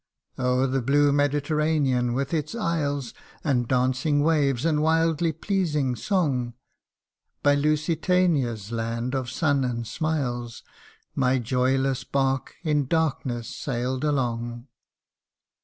O'er the blue Mediterranean, with its isles And dancing waves, and wildly pleasing song, By Lusitania's land of sun and smiles, My joyless bark in darkness sail'd along